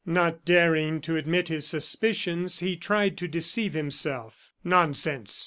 Not daring to admit his suspicions, he tried to deceive himself. "Nonsense!"